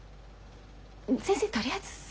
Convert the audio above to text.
先生とりあえずすわ。